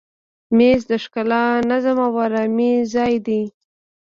مېز د ښکلا، نظم او آرامي ځای دی.